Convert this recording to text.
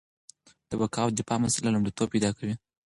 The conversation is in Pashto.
د بقا او دفاع مسله لومړیتوب پیدا کوي.